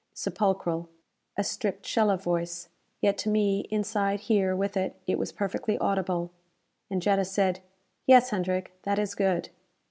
Sepulchral. A stripped shell of voice. Yet to me, inside here with it, it was perfectly audible. And Jetta said, "Yes, Hendrick, that is good."